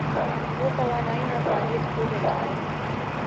وہ توانائی اورافادیت کھو بیٹھی ہے۔